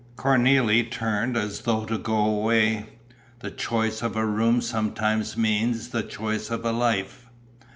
Cornélie turned as though to go away. The choice of a room sometimes means the choice of a life.